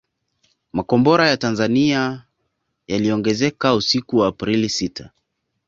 Makombora ya Tanzania yaliongezeka usiku wa Aprili sita